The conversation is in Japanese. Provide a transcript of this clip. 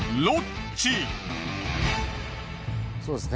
そうですね